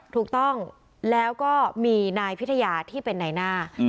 ถูกต้องแล้วก็มีนายพิทยาที่เป็นนายหน้า